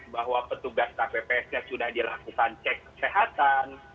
bahwa petugas kppsnya sudah dilakukan cek kesehatan